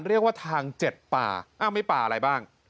เรียกว่าทาง๗ป่าอ้าวไม่ป่าอะไรบ้าง